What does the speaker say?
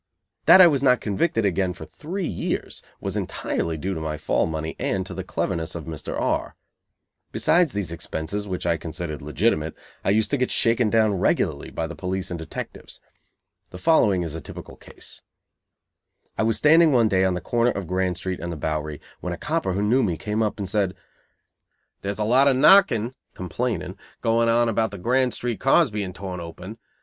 That I was not convicted again for three years was entirely due to my fall money and to the cleverness of Mr. R . Besides these expenses, which I considered legitimate, I used to get "shaken down" regularly by the police and detectives. The following is a typical case: I was standing one day on the corner of Grand Street and the Bowery when a copper who knew me came up and said: "There's a lot of knocking (complaining) going on about the Grand Street cars being torn open.